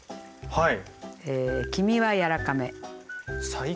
はい。